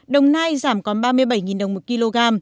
đồng nai giảm còn ba mươi bảy đồng một kg